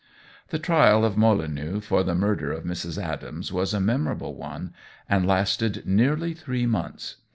The trial of Molineux for the murder of Mrs. Adams was a memorable one, and lasted nearly three months.